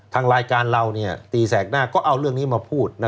ทางรายการเราตีแสกหน้าก็เอาเรื่องนี้มาพูด